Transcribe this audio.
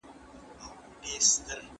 سپین ځګونه